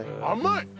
甘い？